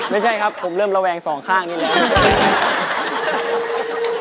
ไม่ใช่ครับผมเริ่มระแวงสองข้างนี่แหละ